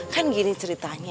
kan gini ceritanya